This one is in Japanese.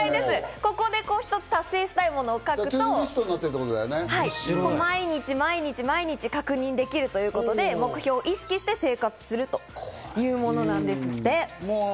ここで、こう一つ達成したいものを書くと、毎日毎日、確認できるということで、目標を意識して生活するというものなんですって。